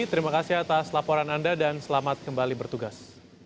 terima kasih atas laporan anda dan selamat kembali bertugas